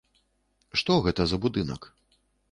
Што гэта за будынак?